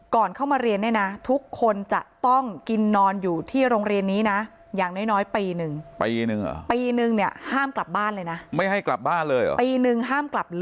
ก่อนเข้ามาเรียนได้นะทุกคนจะต้องกินนอนอยู่ที่โรงเรียนนี้นะ